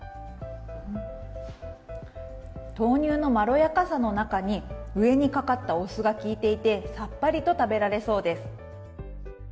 豆乳のまろやかさの中に上にかかったお酢が効いていてさっぱりと食べられそうです。